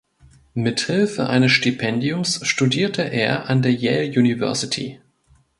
Mithilfe eines Stipendiums studierte er an der Yale University.